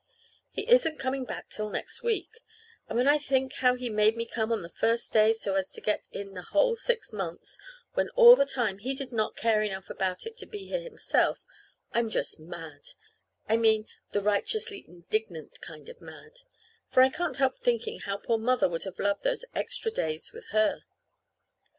He isn't coming back till next week; and when I think how he made me come on the first day, so as to get in the whole six months, when all the time he did not care enough about it to be here himself, I'm just mad I mean, the righteously indignant kind of mad for I can't help thinking how poor Mother would have loved those extra days with her.